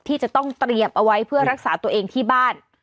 ที่จะต้องเตรียมเอาไว้เพื่อรักษาตัวเองที่บ้าน